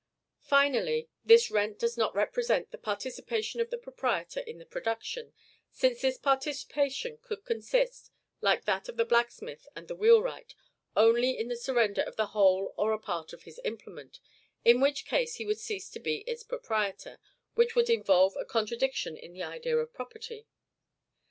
Finally, this rent does not represent the participation of the proprietor in the production; since this participation could consist, like that of the blacksmith and the wheelwright, only in the surrender of the whole or a part of his implement, in which case he would cease to be its proprietor, which would involve a contradiction of the idea of property.